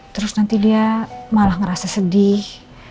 terus nanti dia malah ngerasa sedih